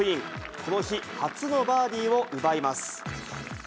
この日、初のバーディーを奪います。